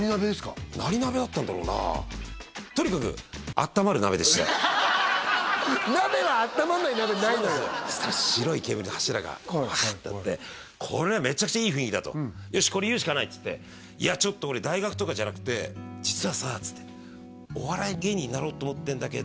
何鍋だったんだろうなとにかく鍋はあったまんない鍋ないのよそしたら白い煙の柱がファってこれはメチャクチャいい雰囲気だとよしこれ言うしかないっつって「ちょっと俺大学とかじゃなくて実はさ」っつって「お笑い芸人になろうと思ってんだけど」